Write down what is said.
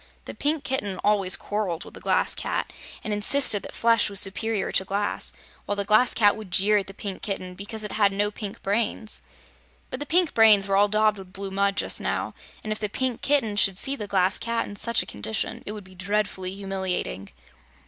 The Pink Kitten always quarreled with the Glass Cat and insisted that flesh was superior to glass, while the Glass Cat would jeer at the Pink Kitten, because it had no pink brains. But the pink brains were all daubed with blue mud, just now, and if the Pink Kitten should see the Glass Cat in such a condition, it would be dreadfully humiliating.